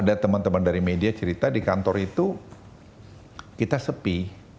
ada teman teman dari media cerita di kantor itu kita sepi